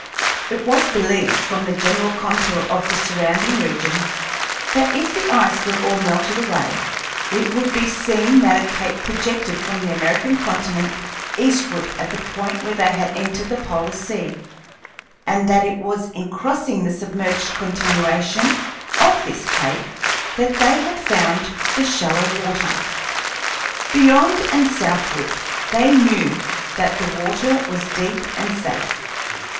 It was believed, from the general contour of the surrounding region, that if the ice were all melted away it would be seen that a cape projected from the American continent eastward at the point where they had entered the polar sea, and that it was in crossing the submerged continuation of this cape that they had found the shallow water. Beyond and southward they knew that the water was deep and safe.